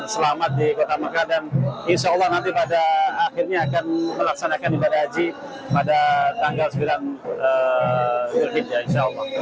selamat di kota mekah dan insya allah nanti pada akhirnya akan melaksanakan ibadah haji pada tanggal sembilan julhid ya insya allah